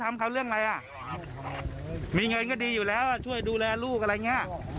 มองแล้วขึ้นเหล้า